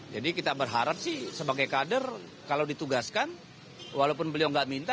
jadi kita berharap sih sebagai kader kalau ditugaskan walaupun beliau nggak minta